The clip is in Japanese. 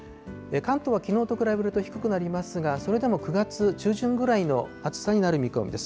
関東はきのうと比べると低くなりますが、それでも９月中旬ぐらいの暑さになる見込みです。